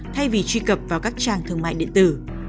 thay vì truy cập vào các trang thương mại điện tử